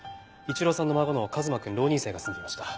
一郎さんの孫の和真くん浪人生が住んでいました。